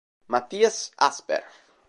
Mattias Asper